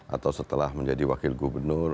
atau setelah menjadi wakil gubernur